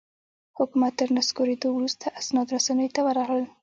حکومت تر نسکورېدو وروسته اسناد رسنیو ته ورغلل.